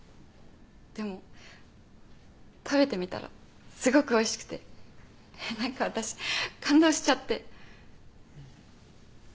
でも食べてみたらすごくおいしくて何か私感動しちゃって。